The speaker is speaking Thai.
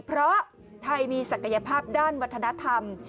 เพราะไทยมีศักยภาพด้านวัฒนธรรม